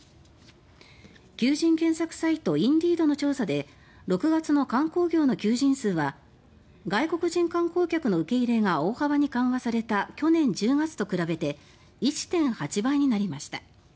求人検索サイトＩｎｄｅｅｄの調査で６月の観光業の求人数は外国人観光客の受け入れが大幅に緩和された去年１０月と比べて１．８倍になりました。